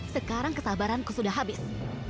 sekarang kesabaranku sudah habis